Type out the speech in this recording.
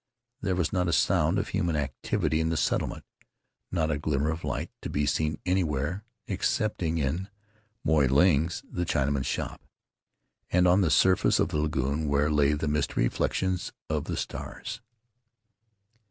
There was not a sound of human activity in the settlement; not a glimmer of light to be seen anywhere excepting in [ 150 ] An Adventure in Solitude Moy Ling's, the Chinaman's, shop, and on the surface of the lagoon where lay the misty reflections of the stars.